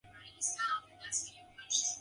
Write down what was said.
It is now only three blocks on Mulberry Street.